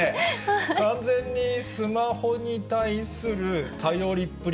完全にスマホに対する頼りっ